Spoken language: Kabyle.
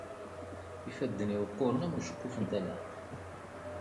Ifadden-iw qquren am uceqquf n talaɣt.